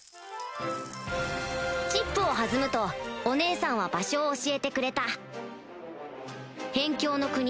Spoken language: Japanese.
チップを弾むとお姉さんは場所を教えてくれた辺境の国